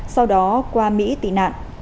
sau đó qua mỹ tị nạn